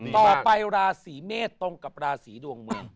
ต่อไปราศีเมษตรงกับราศีดวงเมือง